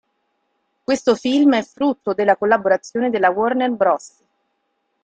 Questo film è frutto della collaborazione della Warner Bros.